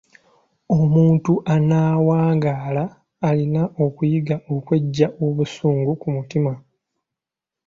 Omuntu anaawangaala alina okuyiga okweggya obusungu ku mutima.